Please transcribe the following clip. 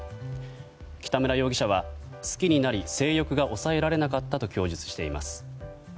北村容疑者は、好きになり性欲が抑えられなかったと供述しています。